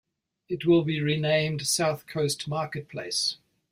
It will be renamed South Coast Marketplace.